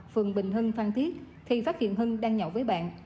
phường bình hưng phan thiết thì phát hiện hưng đang nhậu với bạn